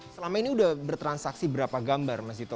selama ini sudah bertransaksi berapa gambar mas dito